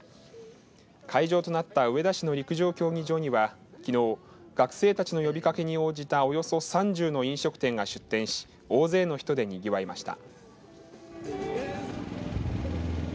会場となった上田市の陸上競技場にはきのう学生たちの呼びかけに応じたおよそ３０の飲食店などが出店し大勢の人でにぎわいました。